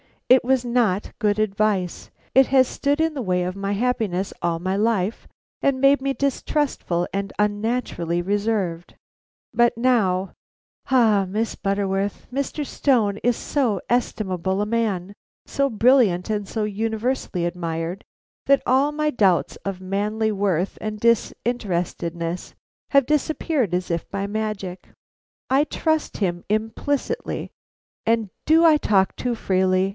It was not good advice; it has stood in the way of my happiness all my life, made me distrustful and unnaturally reserved. But now ah, Miss Butterworth, Mr. Stone is so estimable a man, so brilliant and so universally admired, that all my doubts of manly worth and disinterestedness have disappeared as if by magic. I trust him implicitly, and Do I talk too freely?